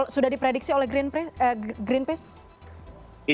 sudah diprediksi oleh greenpeace